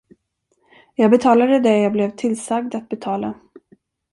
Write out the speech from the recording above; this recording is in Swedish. Jag betalade det jag blev tillsagd att betala.